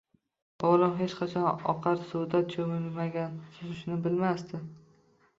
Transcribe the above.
O`g`lim hech qachon oqar suvda cho`milmagan, suzishni bilmasdi